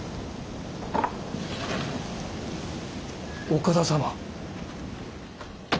岡田様。